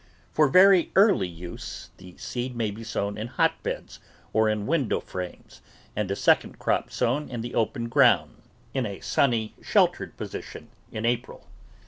For very early use, the seed may be sown in hot beds or in window frames and a second crop sown in the open ground, in a sunny, sheltered position, in April.